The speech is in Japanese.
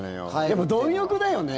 でも、どん欲だよね。